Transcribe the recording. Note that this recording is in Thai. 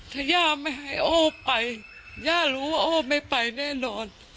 ถ้าย่าไม่ให้โอ้ไปย่ารู้ว่าโอ้ไม่ไปแน่นอน